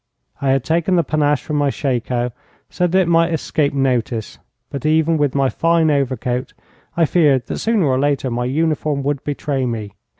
I had taken the panache from my shako so that it might escape notice, but even with my fine overcoat I feared that sooner or later my uniform would betray me.